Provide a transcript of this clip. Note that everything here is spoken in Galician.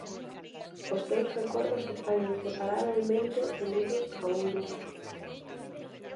Os seus recordos están inseparabelmente unidos a un lugar.